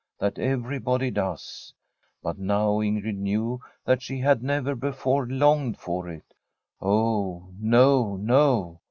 That everybody does. But now Ingrid knew that she had never before longed for it. Oh no, no